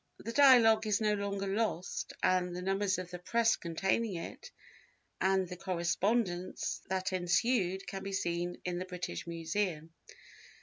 The Dialogue is no longer lost, and the numbers of the Press containing it and the correspondence that ensued can be seen in the British Museum.